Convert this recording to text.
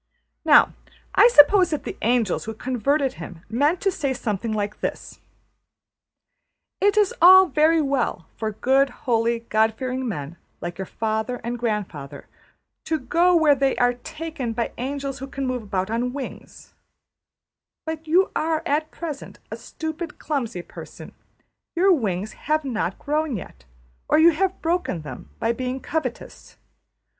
Now I suppose that the angels who converted him meant to say something like this: ``It is all very well for good, holy, God fearing men like your father and grandfather to go where they are taken by angels who can move about on wings; but you are at present a stupid, clumsy person; your wings have not grown yet, or you have broken them by being covetous.